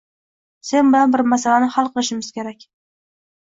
Sen bilan bir masalani hal qilishimiz kerak.